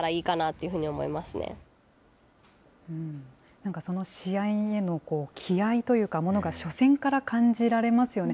なんか試合への気合いというか、ものが初戦から感じられますよね。